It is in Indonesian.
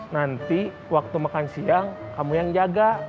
nanti waktu makan siang kamu yang jaga